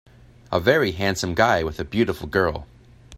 a very handsome guy with a beautiful girl